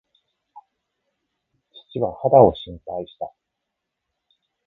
父は肌を心配した。